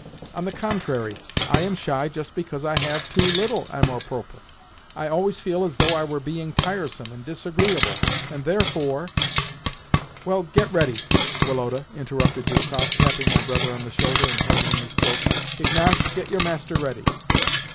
"On the contrary, I am shy just because I have too little amour propre. I always feel as though I were being tiresome and disagreeable, and therefore—" "Well, get ready, Woloda," interrupted Dubkoff, tapping my brother on the shoulder and handing him his cloak. "Ignaz, get your master ready."